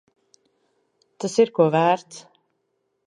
Tas ir ko vērts.